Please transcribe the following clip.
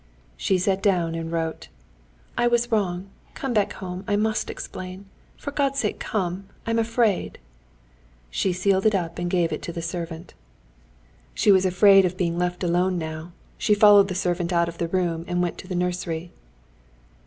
She sat down and wrote: "I was wrong. Come back home; I must explain. For God's sake come! I'm afraid." She sealed it up and gave it to the servant. She was afraid of being left alone now; she followed the servant out of the room, and went to the nursery.